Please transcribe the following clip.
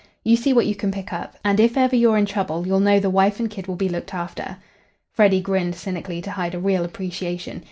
"You see what you can pick up. And if ever you're in trouble, you'll know the wife and kid will be looked after." Freddy grinned cynically to hide a real appreciation.